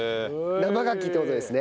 生ガキって事ですね。